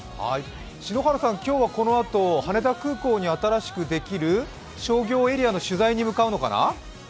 篠原さん、今日はこのあと、羽田空港に新しくできる商業エリアの取材に向かうのかな？